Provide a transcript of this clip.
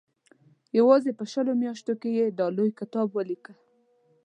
یوازې په شلو میاشتو کې یې دا لوی کتاب ولیکه.